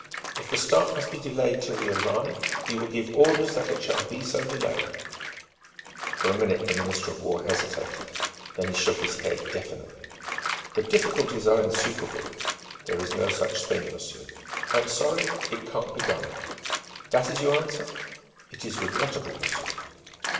If the start must be delayed till we arrive, you will give orders that it shall be so delayed." For a minute the Minister of War hesitated; then he shook his head definitely. "The difficulties are insuperable " "There is no such thing, monsieur." "I am sorry: it can't be done." "That is your answer?" "It is regrettable, monsieur..."